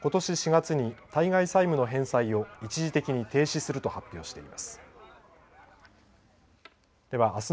４月に対外債務の返済を一時的に停止すると発表しています。